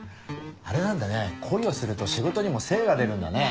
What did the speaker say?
あれなんだね恋をすると仕事にも精が出るんだねぇ。